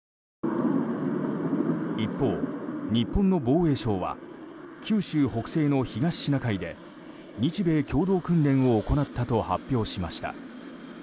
一方、日本の防衛省は九州北西の東シナ海で日米共同訓練を行ったと発表しました。